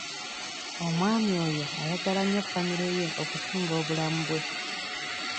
Omwami oyo ayagala nnyo famire ye okusinga obulamu bwe.